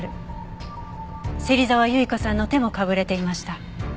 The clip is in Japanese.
芹沢結子さんの手もかぶれていました。